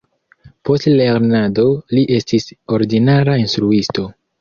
Post lernado li estis ordinara instruisto.